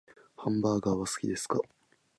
ハンバーガーは好きですか？